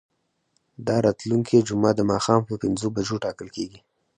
دا راتلونکې جمعه د ماښام په پنځو بجو ټاکل کیږي.